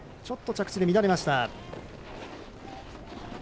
ちょっと着地で乱れました。